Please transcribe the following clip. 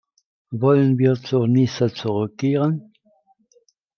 Wollen wir zu Nizza zurückkehren?